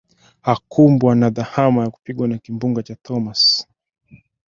hakumbwa na dhahama ya kupigwa na kimbunga cha thomas